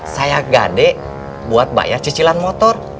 saya gade buat bayar cicilan motor